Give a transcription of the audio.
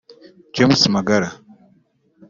James Magala